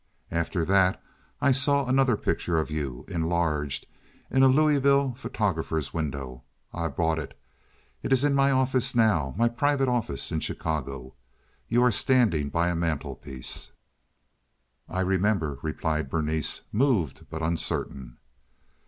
After that I saw another picture of you, enlarged, in a Louisville photographer's window. I bought it. It is in my office now—my private office—in Chicago. You are standing by a mantelpiece." "I remember," replied Berenice, moved, but uncertain.